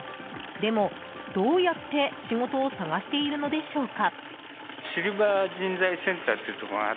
でも、どうやって仕事を探しているのでしょうか？